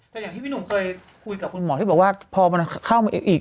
แต่อย่างที่พี่หนุ่มเคยคุยกับคุณหมอที่บอกว่าพอมันเข้ามาอีก